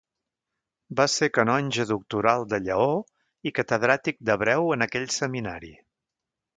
Va ser canonge doctoral de Lleó i Catedràtic d'hebreu en aquell seminari.